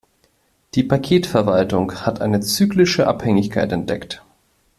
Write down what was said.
Die Paketverwaltung hat eine zyklische Abhängigkeit entdeckt.